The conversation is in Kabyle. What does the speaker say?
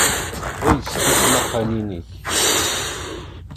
Els tismaqalin-ik!